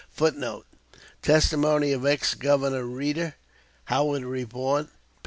[Footnote: Testimony of Ex Governor Reeder, Howard Report, pp.